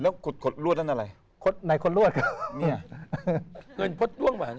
แล้วขดขดรวดอันอะไรขดไหนขดรวดครับเนี้ยเงินพลดล่วงป่ะ